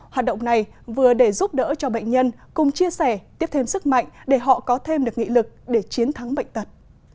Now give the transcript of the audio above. hoạt động này vừa để giúp đỡ cho bệnh nhân cùng chia sẻ tiếp thêm sức mạnh để họ có thêm được nghị lực để chiến thắng bệnh tật